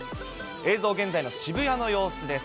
映像、現在の渋谷の様子です。